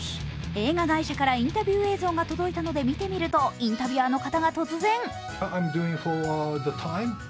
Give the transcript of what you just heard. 映画会社からインタビュー映像が届いたので見てみるとインタビュアーの方が突然。